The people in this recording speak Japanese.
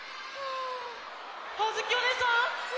あづきおねえさん！